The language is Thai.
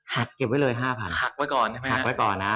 หักเก็บไว้เลย๕๐๐๐ฟรกับไว้ก่อนนะ